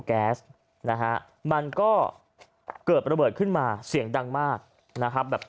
แก๊สนะฮะมันก็เกิดระเบิดขึ้นมาเสียงดังมากนะครับแบบ